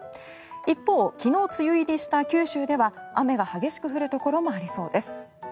一方、昨日梅雨入りした九州では雨が激しく降るところもありそうです。